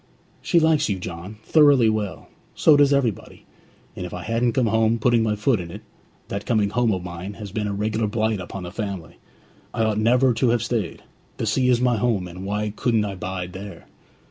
'She likes you, John, thoroughly well; so does everybody; and if I hadn't come home, putting my foot in it That coming home of mine has been a regular blight upon the family! I ought never to have stayed. The sea is my home, and why couldn't I bide there?'